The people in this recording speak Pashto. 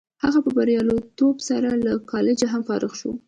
هغه په بریالیتوب سره له کالجه هم فارغ شو